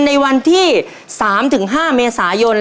ในวันที่๓๕เมษายน